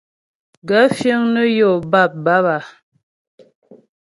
Gaə̂ fíŋ nə́ yó bâpbǎp a ?